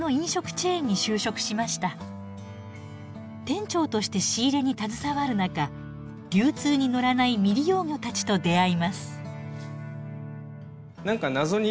店長として仕入れに携わる中流通に乗らない未利用魚たちと出会います。